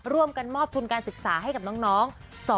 ร่วมกันมอบทุนการศึกษาให้กับน้อง